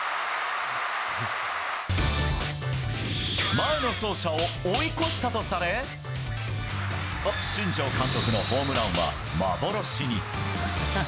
前の走者を追い越したとされ新庄監督のホームランは幻に。